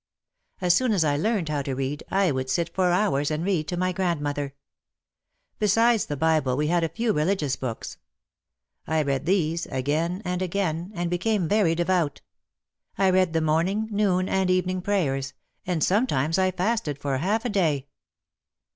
As soon as I learned how to read I would sit for hours and read to my grandmother. Besides the Bible, we had a few religious books. I read these again and again, and became very devout. I read the morning, noon and eve ning prayers, and sometimes I fasted for half a day.